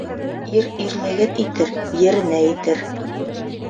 Ир ирлеген итер, еренә етер.